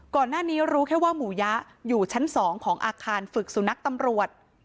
ก่อนหน้านี้รู้แค่ว่าหมูยะอยู่ชั้น๒ของอาคารฝึกสุนัขตำรวจ